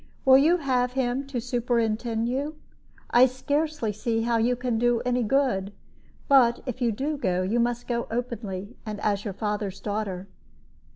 Will you have him to superintend you? I scarcely see how you can do any good, but if you do go, you must go openly, and as your father's daughter."